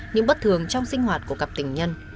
những bất thường trong sinh hoạt của cặp tình nhân